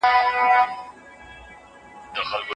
قصاص په ټولنه کي عدالت رامنځته کوي.